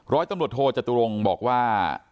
ร้อยตำรวจโทจตุรงค์บอกว่า